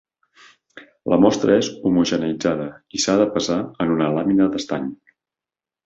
La mostra és homogeneïtzada i s'ha de pesar en una làmina d'estany.